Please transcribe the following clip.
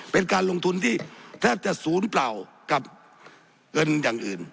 เป็นการลงทุนที่แทบจะศูนย์เปล่ากับเงินอย่างอื่น